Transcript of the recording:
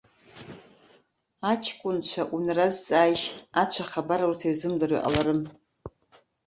Аҷкәынцәа унразҵааишь, ацә ахабар урҭ ирзымдыруа иҟаларым.